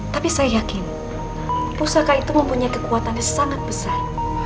tapi saya yakin pusaka itu mempunyai kekuatannya sangat besar